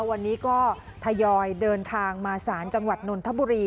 วันนี้ก็ทยอยเดินทางมาศาลจังหวัดนนทบุรี